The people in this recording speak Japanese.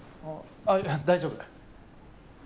あっいや大丈夫。